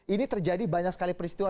ini terjadi banyak sekali peristiwa